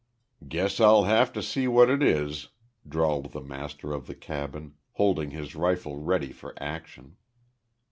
"Guess I'll have to see what et is," drawled the master of the cabin, holding his rifle ready for action.